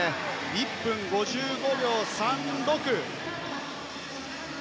１分５５秒３６。